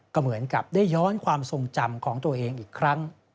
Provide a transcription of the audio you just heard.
ก็เหมือนกับได้ย้อนความทรงจำของตัวเองอีกครั้ง